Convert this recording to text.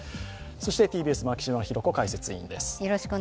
そしてＴＢＳ牧嶋博子解説委員です。